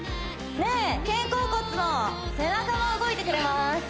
肩甲骨も背中も動いてくれます